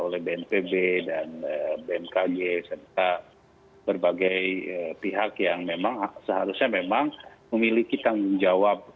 dengan apa yang disiapkan oleh bnpb dan bmkg serta berbagai pihak yang memang seharusnya memang memiliki tanggung jawab